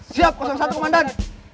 siap satu komandan